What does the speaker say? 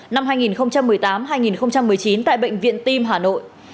năm hai nghìn một mươi tám hai nghìn một mươi chín tại bệnh viện tim hà nội